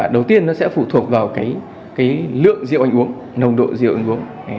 đầu tiên nó sẽ phụ thuộc vào lượng rượu anh uống nồng độ rượu anh uống